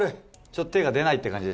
ちょっと手が出ないっていう感じ